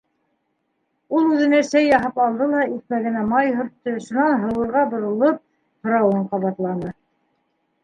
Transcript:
Ул үҙенә сәй яһап алды ла икмәгенә май һөрттө, шунан Һыуырға боролоп, һорауын ҡабатланы: